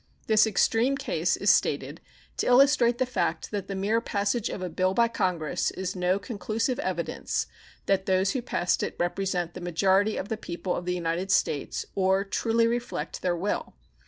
This extreme case is stated to illustrate the fact that the mere passage of a bill by Congress is no conclusive evidence that those who passed it represent the majority of the people of the United States or truly reflect their will.